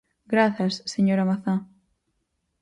Grazas, señora Mazá.